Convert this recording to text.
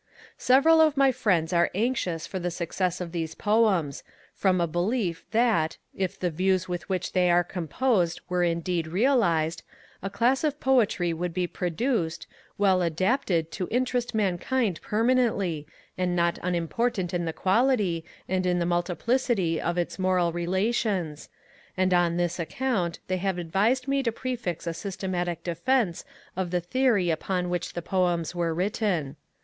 Several of my Friends are anxious for the success of these Poems, from a belief, that, if the views with which they were composed were indeed realized, a class of Poetry would be produced, well adapted to interest mankind permanently, and not unimportant in the quality, and in the multiplicity of its moral relations: and on this account they have advised me to prefix a systematic defence of the theory upon which the Poems were written.